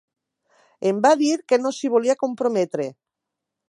Em va dir que no s'hi volia comprometre.